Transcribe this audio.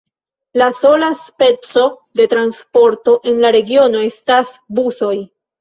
La sola speco de transporto en la regiono estas busoj.